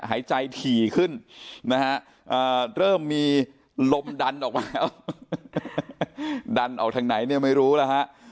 หายใจถี่ขึ้นนะฮะเริ่มมีลมดันออกมาดันออกทางไหนเนี่ยไม่รู้แล้วฮะ